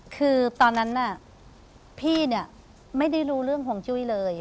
คือตอนนั้นน่ะพี่เนี่ยไม่ได้รู้เรื่องของจุ้ยเลย